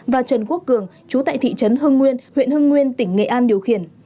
và trần quốc cường chú tại thị trấn hưng nguyên huyện hưng nguyên tỉnh nghệ an điều khiển